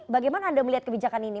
bagaimana anda melihat kebijakan ini